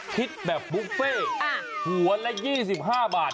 พิธีแบบบุฟเฟต์หัวละ๒๕บาท